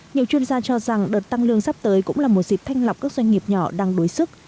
nhiều chuyên gia cho rằng đợt tăng lương sắp tới cũng là một dịp thanh lọc các doanh nghiệp nhỏ đang đối sức